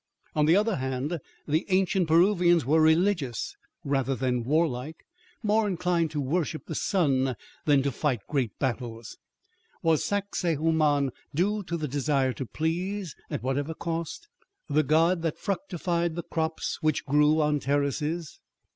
On the other hand, the ancient Peruvians were religious rather than warlike, more inclined to worship the sun than to fight great battles. Was Sacsahuaman due to the desire to please, at whatever cost, the god that fructified the crops which grew on terraces?